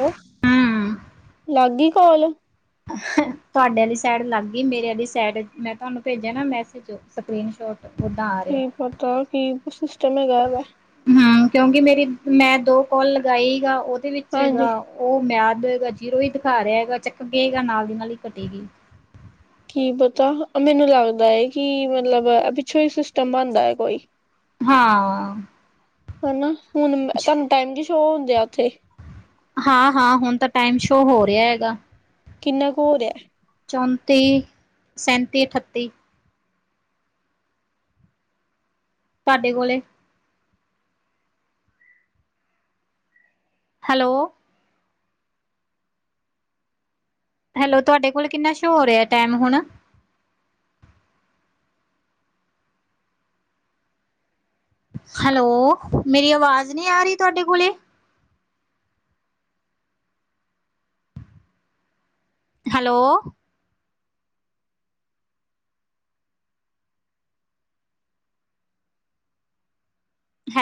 Hello ਹੂੰ ਲੱਗ ਗਈ ਕਾੱਲ ਤੁਹਾਡੇ ਵਾਲੀ ਸੈਡ ਲੱਗ ਗਈ ਮੇਰੇ ਵਾਲੀ ਸੈਡ ਮੈਂ ਤੁਹਾਨੂੰ ਭੇਜਿਆ ਨਾ ਮੈਸੇਜ ਸਕਰੀਨ ਸ਼ੋਟ। ਓਦਾਂ ਆ ਰਿਹਾ। ਕੀ ਪਤਾ ਕੀ ਸਿਸਟਮ ਹੈਗਾ ਵਾ। ਹੂੰ ਕਿਉਂਕਿ ਮੇਰੀ ਮੈਂ ਦੋ ਕੋਲ ਲਗਾਈ ਗਾ ਉਹਦੇ ਵਿੱਚ ਹੈਗਾ। ਹਾਂਜੀ ਉਹ ਮਿਆਦ ਜੀਰੋ ਹੀ ਦਿਖਾ ਰਿਹਾ ਹੈਗਾ ਚੱਕ ਗਏਗਾ ਨਾਲ ਦੀ ਨਾਲ ਹੀ ਘਟੇਗੀ ਕੀ ਪਤਾ ਮੈਨੂੰ ਲੱਗਦਾ ਐ ਕਿ ਮਤਲਬ ਪਿੱਛੋਂ ਹੀ ਸਿਸਟਮ ਬਣਦਾ ਹੈ ਕੋਈ- ਹਾਂ। ਹਨਾ ਹੁਣ ਤੁਹਾਨੂੰ ਟਾਈਮ ਜੋ ਸ਼ੋਅ ਹੁੰਦੇ ਆ ਉੱਥੇ ਹਾਂ-ਹਾਂ ਹੁਣ ਤਾਂ ਟਾਈਮ ਸ਼ੋਅ ਹੋ ਰਿਹਾ ਹੈਗਾ। ਕਿੰਨਾ ਕੁ ਹੋ ਰਿਹਾ? ਚੌਂਤੀ-ਸੈਂਤੀ-ਅਠੱਤੀ। ਤੁਹਾਡੇ ਕੋਲੇ- ਹੈਲੋ ਹੈਲੋ ਤੁਹਾਡੇ ਕੋਲ ਕਿੰਨਾ ਸ਼ੋਅ ਹੋ ਰਿਹਾ ਟਾਈਮ ਹੁਣ- ਹੈਲੋ ਮੇਰੀ ਆਵਾਜ਼ ਨਹੀਂ ਆ ਰਹੀ ਤੁਹਾਡੇ ਕੋਲੇ- ਹੈਲੋ